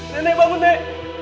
nek nenek bangun nek